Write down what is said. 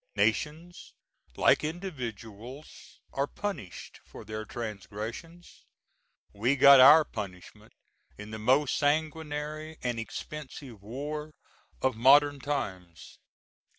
Nations, like individuals, are punished for their transgressions. We got our punishment in the most sanguinary and expensive war of modern times.